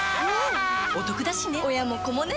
おトクだしね